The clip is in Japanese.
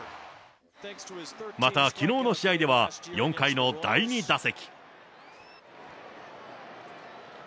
また、きのうの試合では４回の第２打席。